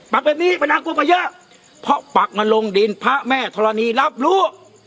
แบบนี้ปัญหากูมาเยอะเพราะปักมันลงดินพระแม่ธรณีรับรู้